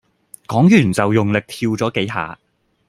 講完就用力跳咗幾下